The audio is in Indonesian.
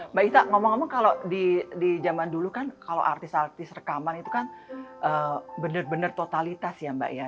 mbak ita ngomong ngomong kalau di zaman dulu kan kalau artis artis rekaman itu kan benar benar totalitas ya mbak ya